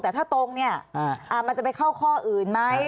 แต่ถ้าตรงเนี่ยมันจะไปเข้าข้ออื่นไหม